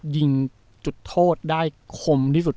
ยิงจุดโทษได้คมที่สุด